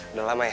udah lama ya